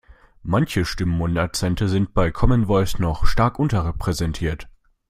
Manche Stimmen und Akzente sind bei Common Voice noch stark unterrepräsentiert.